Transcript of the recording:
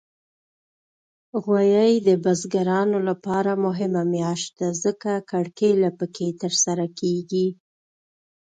غویی د بزګرانو لپاره مهمه میاشت ده، ځکه کرکیله پکې ترسره کېږي.